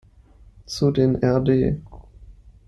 Zu den rd.